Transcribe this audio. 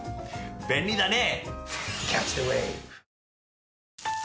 便利だね！